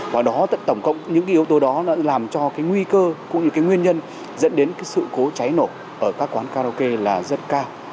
và đó tổng cộng những cái yếu tố đó nó làm cho cái nguy cơ cũng như cái nguyên nhân dẫn đến cái sự cố cháy nổ ở các quán karaoke là rất cao